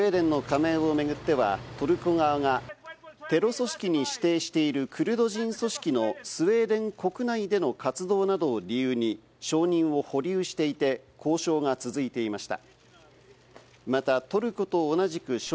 スウェーデンの加盟を巡っては、トルコ側がテロ組織に指定しているクルド人組織のスウェーデン国内での活動などを理由に承認を保留していて、交渉が続いていました。